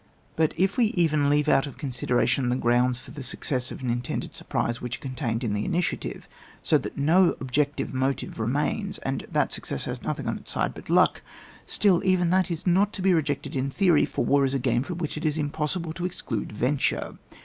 But if we even leave out of con sideration the grounds for the success of an intended surprise which are contained in the initiative, so that no objective motive remains, and that success has nothing on its side but luck, stiU, even that is not to be rejected in theory, for war is a game from which it is impossible to exclude venture.